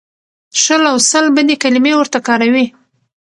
شل او سل بدې کلمې ورته کاروي.